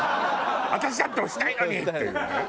私だって押したいのにっていうね。